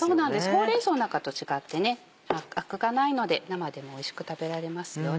ほうれん草なんかと違ってアクがないので生でもおいしく食べられますので。